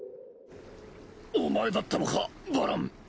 お前だったのかバラン。